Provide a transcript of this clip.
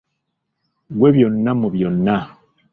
Ggwe byonna mu byonna.